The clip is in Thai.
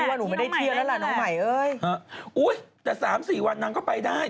ว่าหนูไม่ได้เที่ยวแล้วล่ะน้องใหม่เอ้ยอุ้ยแต่สามสี่วันนางก็ไปได้